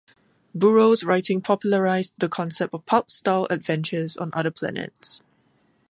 Burroughs' writing popularized the concept of pulp-style adventures on other planets.